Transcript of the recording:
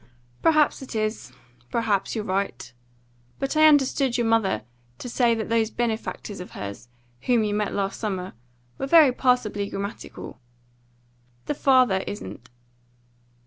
"Perhaps it is. Perhaps you're right. But I understood your mother to say that those benefactors of hers, whom you met last summer, were very passably grammatical." "The father isn't."